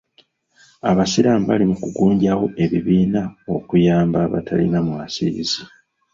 Abasiraamu bali mu kugunjaawo ebibiina okuyamba abatalina mwasirizi.